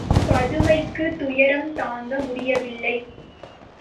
பதுமைக்குத் துயரம் தாங்க முடியவில்லை.